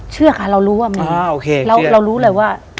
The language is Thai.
เชื่อค่ะเรารู้ว่ามีเรารู้เลยว่า